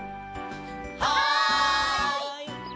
はい！